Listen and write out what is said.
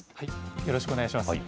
よろしくお願いします。